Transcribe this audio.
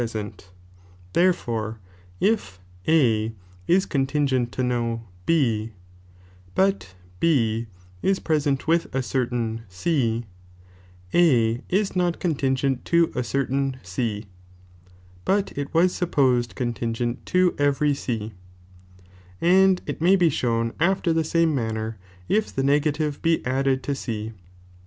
present, therefore if A ia contingent to no B, but B ia present with a certain C, A is not contingent to a cert^u C, but it waa supposed contingent to every C, and it may be shown after the same manner, if the negative be ndded to C.